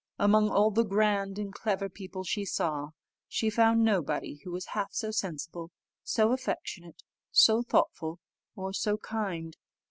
Among all the grand and clever people she saw, she found nobody who was half so sensible, so affectionate, so thoughtful, or so kind.